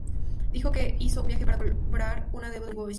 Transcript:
Dijo que hizo un viaje para cobrar una deuda de un antiguo vecino.